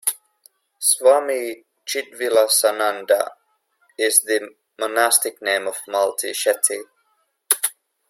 Swami Chidvilasananda is the monastic name of Malti Shetty.